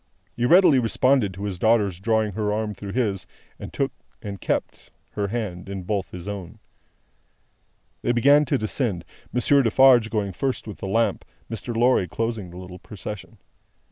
He readily responded to his daughter's drawing her arm through his, and took and kept her hand in both his own. They began to descend; Monsieur Defarge going first with the lamp, Mr. Lorry closing the little procession.